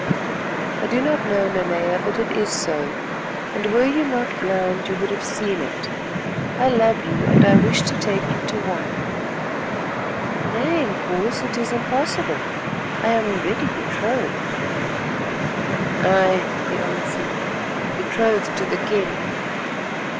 "I do not know, Nanea, but it is so, and were you not blind you would have seen it. I love you, and I wish to take you to wife." "Nay, Inkoos, it is impossible. I am already betrothed." "Ay," he answered, "betrothed to the king."